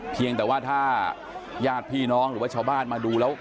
เพียงแต่ว่าถ้าญาติพี่น้องหรือว่าชาวบ้านมาดูแล้ว